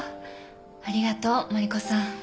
ありがとう麻里子さん。